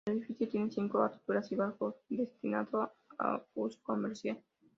El edificio tiene cinco alturas y bajo destinado a uso comercial.